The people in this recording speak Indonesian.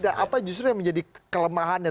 dan apa justru yang menjadi kelemahannya